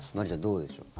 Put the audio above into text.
どうでしょうか。